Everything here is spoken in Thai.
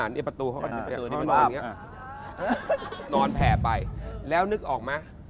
ในประตูเขามาเข้าไปนอนแผ่ไปแล้วนึกออกมั้ย